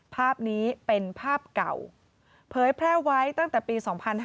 ภาพนี้เป็นภาพเก่าเผยแพร่ไว้ตั้งแต่ปี๒๕๕๙